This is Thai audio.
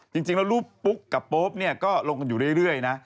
จริงแล้วรูปปุ๊บกับปุ๊บก็ลงกันอยู่เรื่อยนะ